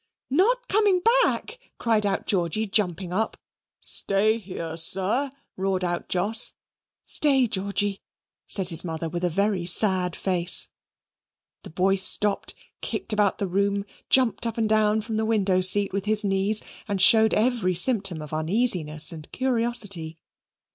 "Not coming back!" cried out Georgy, jumping up. "Stay here, sir," roared out Jos. "Stay, Georgy," said his mother with a very sad face. The boy stopped, kicked about the room, jumped up and down from the window seat with his knees, and showed every symptom of uneasiness and curiosity.